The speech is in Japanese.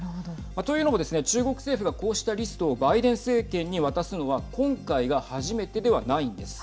というのもですね中国政府がこういったリストをバイデン政権に渡すのは今回が初めてではないんです。